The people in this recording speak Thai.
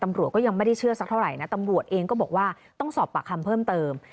ตำรวจก็ยังไม่ได้เชื่อสักเท่าไหร่นะตำรวจเองก็บอกว่าต้องสอบปากคำเพิ่มเติม